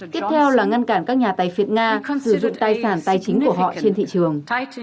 tiếp theo là ngăn cản các nhà tài phiệt nga không sử dụng tài sản tài chính của họ trên thị trường